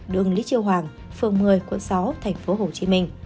đường lý triều hoàng phường một mươi quận sáu tp hcm